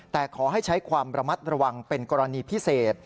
แต่ขอให้ใช้ความระมัดระวังเป็นกรณีพิเศษ